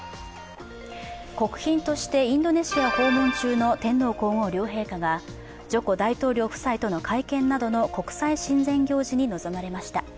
国賓としてインドネシアを訪問中の天皇皇后両陛下がジョコ大統領夫妻との会見などの国際親善行事に参加されました。